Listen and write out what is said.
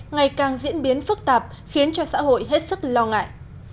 ngày càng diễn biến phức tạp khiến cho xã hội hết sức lo ngại